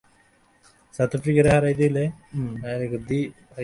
হাতে খোলা তলোয়ার নিয়ে তিনি হুঙ্কার দিতে দিতে তাড়া করে চললেন।